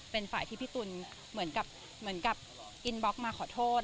เป็นฝ่ายที่พี่ตุ๋นเหมือนกับอินบล็อกมาขอโทษ